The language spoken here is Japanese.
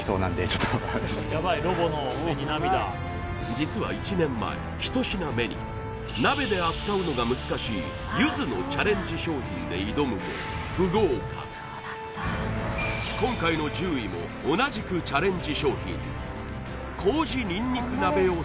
実は鍋で扱うのが難しいゆずのチャレンジ商品で挑むも今回の１０位も同じくチャレンジ